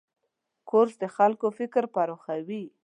کورس د خلکو فکر پراخوي.